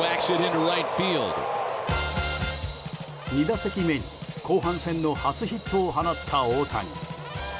２打席目に後半戦の初ヒットを放った大谷。